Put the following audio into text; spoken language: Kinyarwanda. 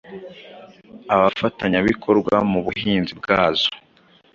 abafatanyabikorwa mu buhinzi bwazo.